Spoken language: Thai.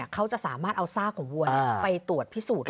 เขาจะสามารถเอาซากของวัวไปตรวจพิสูจน์